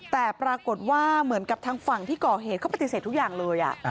แต่ปรากฏว่าเหมือนกับทางฝั่งที่ก่อเหตุเขาปฏิเสธทุกอย่างเลย